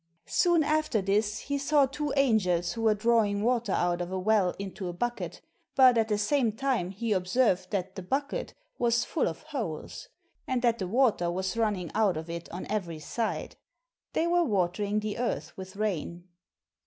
Soon after this he saw two angels who were drawing water out of a well into a bucket, but at the same time he observed that the bucket was full of holes, and that the water was running out of it on every side. They were watering the earth with rain.